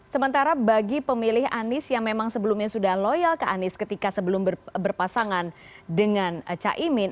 sementara bagi pemilih anies yang memang sebelumnya sudah loyal ke anies ketika sebelum berpasangan dengan caimin